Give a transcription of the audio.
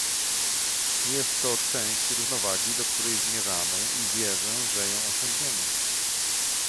Jest to część równowagi, do której zmierzamy, i wierzę, że ją osiągniemy